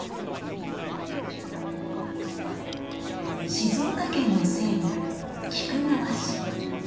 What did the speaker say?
静岡県の西部菊川市。